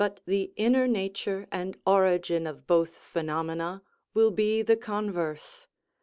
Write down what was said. But the inner nature and origin of both phenomena will be the converse.